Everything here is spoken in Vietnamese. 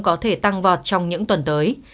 có thể tăng vọt trong những tuần tới